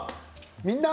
「みんな！